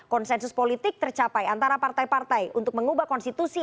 konsensus politik tercapai antara partai partai untuk mengubah konstitusi